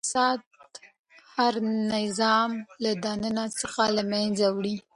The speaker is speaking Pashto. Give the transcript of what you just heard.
فساد هر نظام له دننه څخه له منځه وړي.